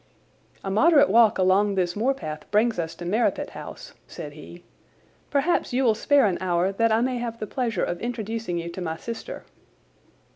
"A moderate walk along this moor path brings us to Merripit House," said he. "Perhaps you will spare an hour that I may have the pleasure of introducing you to my sister."